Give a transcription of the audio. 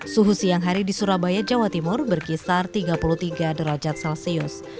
suhu siang hari di surabaya jawa timur berkisar tiga puluh tiga derajat celcius